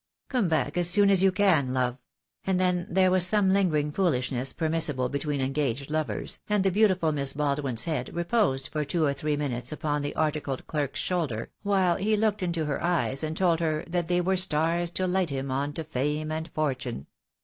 "Come back as soon as you can, love;" and then there was some lingering foolishness permissible between engaged lovers, and the beautiful Miss Baldwin's head reposed for two or three minutes upon the articled clerk's shoulder, while he looked into her eyes and told her that they were stars to light him on to fame and fortune.